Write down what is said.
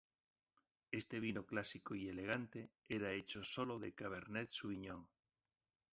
Este vino clásico y elegante, era hecho sólo de "Cabernet Sauvignon".